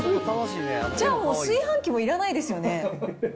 じゃあもう、炊飯器もいらないですよね。